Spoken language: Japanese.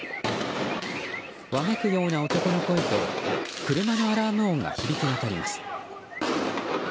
わめくような男の声と車のアラーム音が響き渡ります。